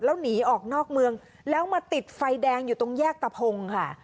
แล้วหนีออกนอกเมืองแล้วมาติดไฟแดงอยู่ตรงแยกตะพงค่ะ